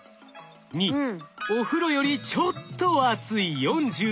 ２お風呂よりちょっと熱い４７℃。